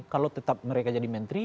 kalau tetap mereka jadi menteri